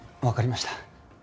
わかりました。